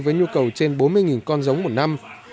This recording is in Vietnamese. với nhu cầu trên bốn mươi con giống một năm